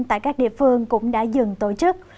tại các địa phương cũng đã dừng tổ chức